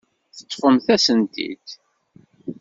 Teṭṭfemt-asen-t-id.